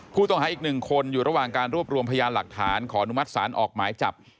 ผู้ต้องหาอีกหนึ่งคนอยู่ระหว่างการรวบรวมพยานหลักฐานขออนุมัติศาลออกหมายจับ